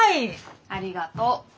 ありがと。